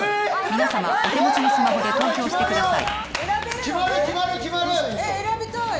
皆さまお手持ちのスマホで投票してください。